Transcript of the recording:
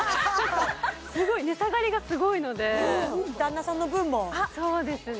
すごい値下がりがすごいので旦那さんの分もそうですね